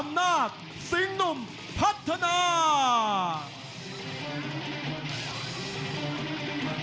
อำนาจสิ่งหนุ่มพัฒนา